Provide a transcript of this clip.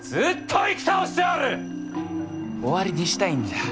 終わりにしたいんじゃ。